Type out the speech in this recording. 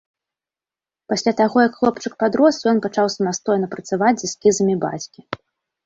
Пасля таго як хлопчык падрос, ён пачаў самастойна працаваць з эскізамі бацькі.